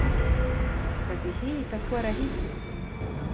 kazi hii itakuwa rahisi?